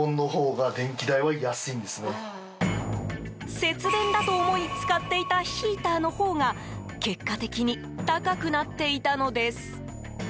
節電だと思い使っていたヒーターのほうが結果的に高くなっていたのです。